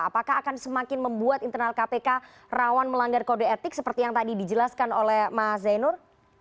apakah akan semakin membuat internal kpk rawan melanggar kode etik seperti yang tadi dijelaskan oleh mas zainur